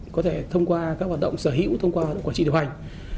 có thể thông qua các hoạt động sở hữu thông qua quản trị điều hành